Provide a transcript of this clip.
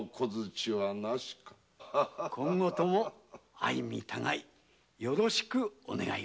今後とも相身互いよろしくお願い申します。